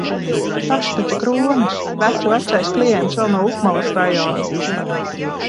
Tas taču Kronis! Vecu vecais klients vēl no upmalas rajona.